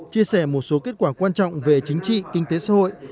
chia sẻ một số kết quả quan trọng về chính trị kinh tế xã hội